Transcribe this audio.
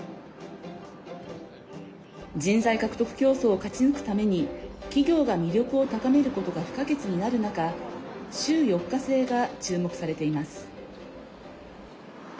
人材獲得競争を勝ち抜くために企業が魅力を高めることが不可欠になる中週４日制が注目されています。